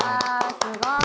すごい。